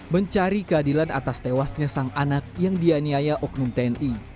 mencari keadilan atas tewasnya sang anak yang dianiaya oknum tni